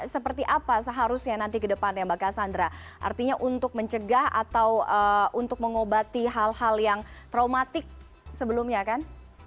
seperti apa seharusnya nanti ke depannya mbak cassandra artinya untuk mencegah atau untuk mengobati hal hal yang traumatik sebelumnya kan